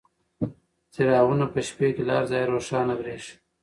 چراغونه په شپې کې له هر ځایه روښانه بریښي.